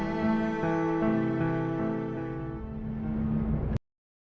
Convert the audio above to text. masukau keluar di gilbert